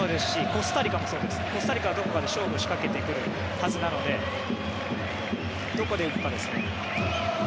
コスタリカはどこかで勝負を仕掛けてくるはずなのでどこで行くかです。